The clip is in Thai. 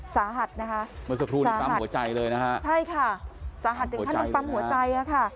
สาหัสนะคะเมื่อสักครู่นี้ปั๊มหัวใจเลยนะฮะใช่ค่ะสาหัสถึงขั้นต้องปั๊มหัวใจอ่ะค่ะ